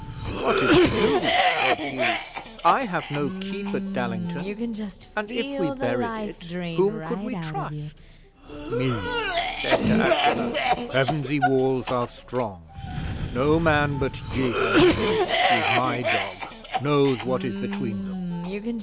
'"What is to do?" said Hugh. "I have no keep at Dallington; and if we buried it, whom could we trust?" '"Me," said De Aquila. "Pevensey walls are strong. No man but Jehan, who is my dog, knows what is between them."